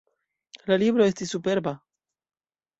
La libro estis superba.